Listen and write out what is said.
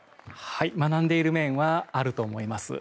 学んでいる面はあると思います。